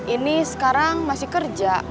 ini sekarang masih kerja